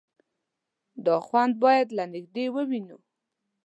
_دا خوند بايد له نږدې ووينو.